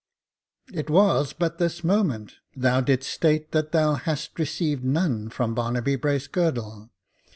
It was but this moment, thou didst state that thou hadst received none from Barnaby Bracegirdle.